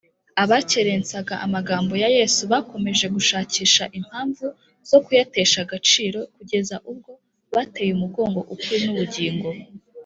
abakerensaga amagambo ya yesu bakomeje gushakisha impamvu zo kuyatesha agaciro, kugeza ubwo bateye umugongo ukuri n’ubugingo